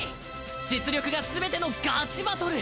実力がすべてのガチバトル！